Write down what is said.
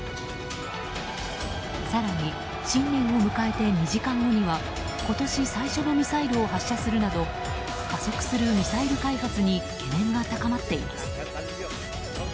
更に、新年を迎えて２時間後には今年最初のミサイルを発射するなど加速するミサイル開発に懸念が高まっています。